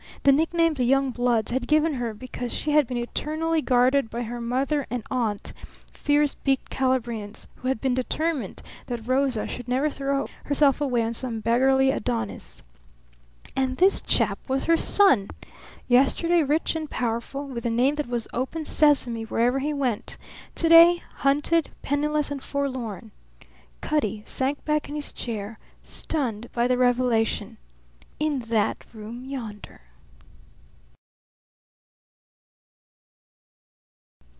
The nickname the young bloods had given her because she had been eternally guarded by her mother and aunt, fierce beaked Calabrians, who had determined that Rosa should never throw herself away on some beggarly Adonis. And this chap was her son! Yesterday, rich and powerful, with a name that was open sesame wherever he went; to day, hunted, penniless, and forlorn. Cutty sank back in his chair, stunned by the revelation. In that room yonder!